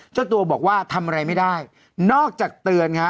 เจ้าตัวบอกว่าทำอะไรไม่ได้นอกจากเตือนฮะ